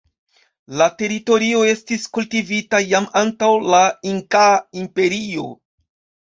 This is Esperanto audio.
La teritorio estis kultivita jam antaŭ la Inkaa Imperio.